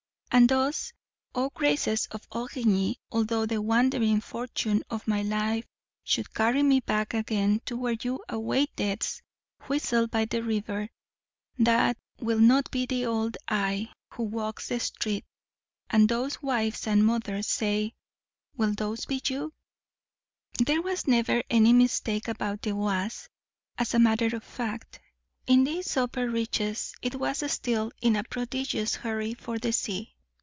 And thus, O graces of Origny, although the wandering fortune of my life should carry me back again to where you await death's whistle by the river, that will not be the old I who walks the street; and those wives and mothers, say, will those be you? There was never any mistake about the Oise, as a matter of fact. In these upper reaches it was still in a prodigious hurry for the sea.